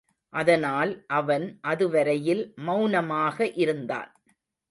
அதனால் அவன் அதுவரையில் மெளனமாக இருந்தான்.